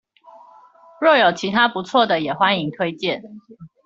若有其他不錯的也歡迎推薦